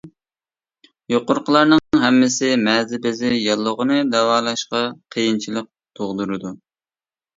يۇقىرىقىلارنىڭ ھەممىسى مەزى بېزى ياللۇغىنى داۋالاشقا قىيىنچىلىق تۇغدۇرىدۇ.